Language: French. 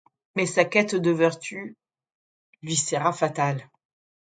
Mais sa quête de vertu lui sera fatal.